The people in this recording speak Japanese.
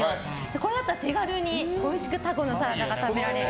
これだったら手軽においしくタコのサラダが食べられる。